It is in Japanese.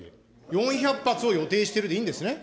４００発を予定しているでいいんですね。